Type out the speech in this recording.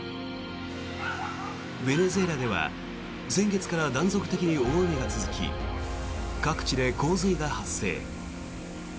ベネズエラでは先月から断続的に大雨が続き各地で洪水が発生。